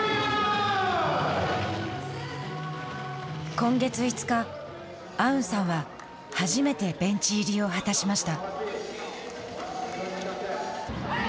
今月５日アウンさんは初めてベンチ入りを果たしました。